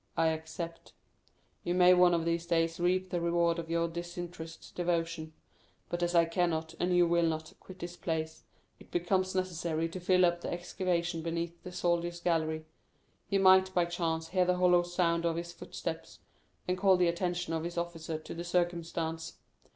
"I accept. You may one of these days reap the reward of your disinterested devotion. But as I cannot, and you will not, quit this place, it becomes necessary to fill up the excavation beneath the soldier's gallery; he might, by chance, hear the hollow sound of his footsteps, and call the attention of his officer to the circumstance.